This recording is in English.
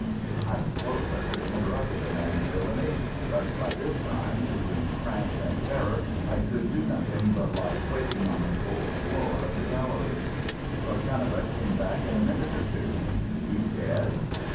I suppose I should have interrupted the man's villainy, but by this time, between cramp and terror, I could do nothing but lie quaking on the cold floor of the gallery. Lord Cannebrake came back in a minute or two. "He's dead?"